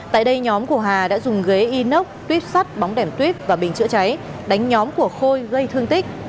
tại đây nhóm của hà đã dùng ghế inox tuyếp sắt bóng đèn tuyết và bình chữa cháy đánh nhóm của khôi gây thương tích